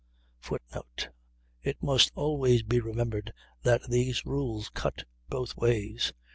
[Footnote: It must always be remembered that these rules cut both ways.